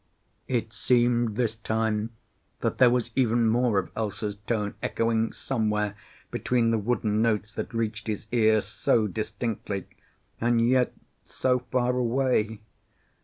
It seemed this time that there was even more of Else's tone echoing somewhere between the wooden notes that reached his ears so distinctly, and yet so far away.